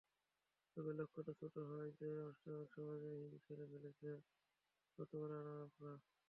তবে লক্ষ্যটা ছোট হওয়ায় জয়ের আনুষ্ঠানিকতা সহজেই সেরে ফেলেছে গতবারের রানার্সআপরা।